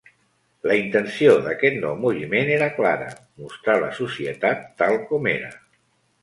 La intenció d’aquest nou moviment era clara: mostra la societat tal com era.